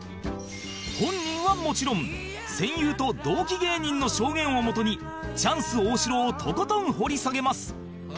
本人はもちろん戦友と同期芸人の証言を基にチャンス大城をとことん掘り下げます